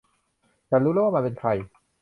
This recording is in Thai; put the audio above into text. ฉันรู้แล้วว่ามันเป็นใคร